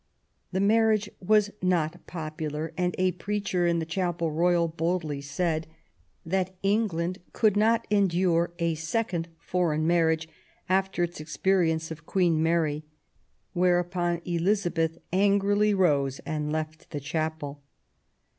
The marriage was not popular, and a preacher in the Chapel Royal boldly said that England could not endure a second foreign marriage after its experience of Queen Mary; whereupon Elizabeth angrily rose THE ALENQON MARRIAGE, 169 and left the chapel.